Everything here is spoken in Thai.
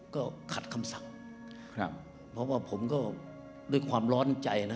ก็ขัดคำสั่งครับเพราะว่าผมก็ด้วยความร้อนใจนะ